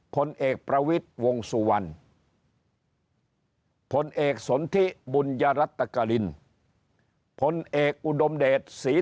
ผลเอกประวิทย์วงสุวรรณพลเอกสนทิบุญยรัตกรินพลเอกอุดมเดชศรี